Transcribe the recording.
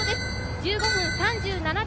１５分３７秒。